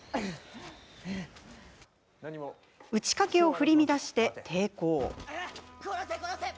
打ち掛けを振り乱して抵抗。